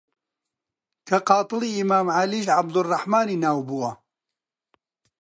کە قاتڵی ئیمام عەلیش عەبدوڕڕەحمانی ناو بووە